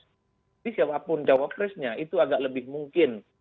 jadi siapapun cawapresnya itu agak lebih mungkin